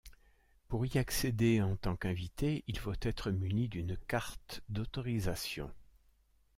Pour y accéder en tant qu’invité il faut être muni d’une carte d’autorisation.